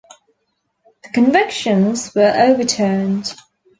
The convictions were overturned.